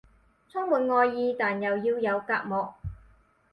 充滿愛意但又要有隔膜